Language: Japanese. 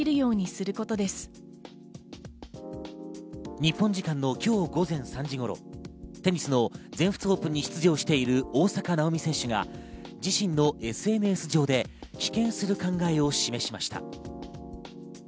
日本時間の今日午前３時頃、テニスの全仏オープンに出場している大坂なおみ選手が、自身のＳＮＳ上で棄権する考えを示しました。